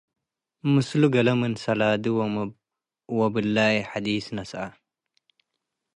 ምስሉ ገሌ ምን ሰላዲ ወብላይ ሐዲስ ነስእ ።